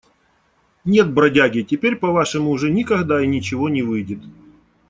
Нет, бродяги, теперь по-вашему уже никогда и ничего не выйдет.